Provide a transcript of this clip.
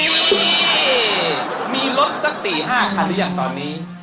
นี่มีรถสัก๔๕คันหรือยังตอนนี้